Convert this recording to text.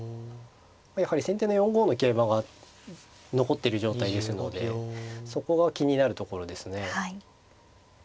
やはり先手の４五の桂馬が残ってる状態ですのでそこが気になるところですね。